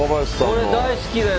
俺大好きだよ